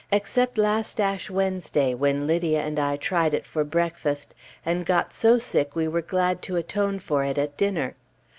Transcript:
except last Ash Wednesday when Lydia and I tried it for breakfast, and got so sick we were glad to atone for it at dinner.